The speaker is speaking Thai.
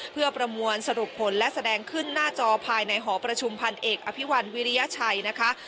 เพื่อประมวลสรุปผลและแสดงขึ้นหน้าจอภายในหอประชุมพันเอกอภิวัลวิริยชัยนะคะ